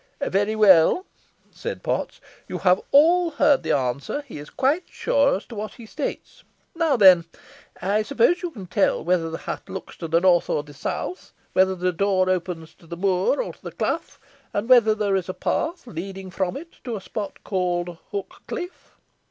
"Very well," said Potts "you have all heard the answer. He is quite sure as to what he states. Now, then, I suppose you can tell whether the hut looks to the north or the south; whether the door opens to the moor or to the clough; and whether there is a path leading from it to a spot called Hook Cliff?"